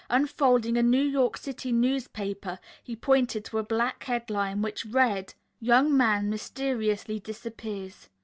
Unfolding a New York City newspaper, he pointed to a black headline which read, "Young Man Mysteriously Disappears."